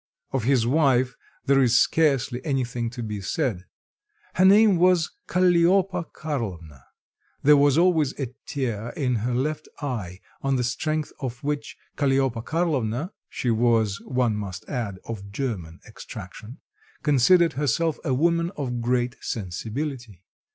Of his wife there is scarcely anything to be said. Her name was Kalliopa Karlovna. There was always a tear in her left eye, on the strength of which Kalliopa Karlovna (she was, one must add, of German extraction) considered herself a woman of great sensibility.